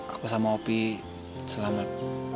aku sama opi selamat